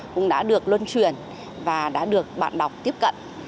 cũng đã được luân truyền và đã được bạn đọc tiếp cận